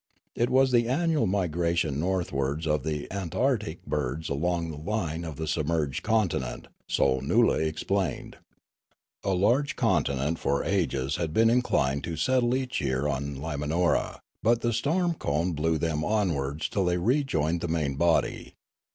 It was the annual migration northwards of the antarctic birds along the line of the submerged continent ; so Noola explained, A large contingent for long ages had been inclined to settle each year on Limanora ; but the storm cone blew them onwards till they rejoined the main body.